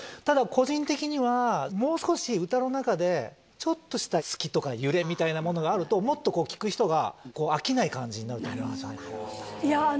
ただ個人的にはもう少し歌の中でちょっとした隙とか揺れみたいなものがあるともっと聴く人が飽きない感じになると思うんですよ。